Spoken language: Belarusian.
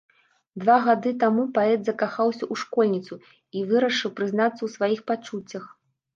Два гады таму паэт закахаўся ў школьніцу і вырашыў прызнацца ў сваіх пачуццях.